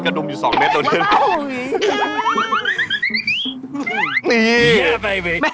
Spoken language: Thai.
เหี้ยไปแล้ว